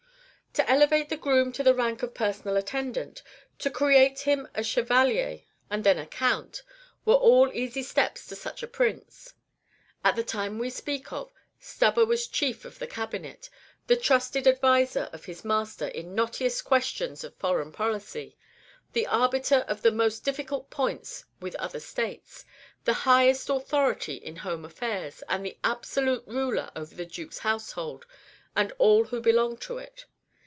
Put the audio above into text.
To elevate the groom to the rank of personal attendant, to create him a Chevalier, and then a Count, were all easy steps to such a Prince. At the time we speak of, Stubber was chief of the Cabinet, the trusted adviser of his master in knottiest questions of foreign politics, the arbiter of the most difficult points with other states, the highest authority in home affairs, and the absolute ruler over the Duke's household and all who belonged to it.